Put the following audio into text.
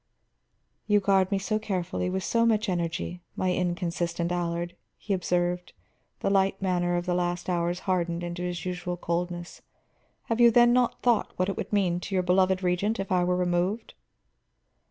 "You guard me so carefully, with so much energy, my inconsistent Allard," he observed, the lighter manner of the last hours hardened into his usual coldness. "Have you then not thought what it would mean to your beloved Regent if I were removed?"